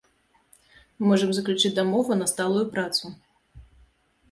Можам заключыць дамову на сталую працу.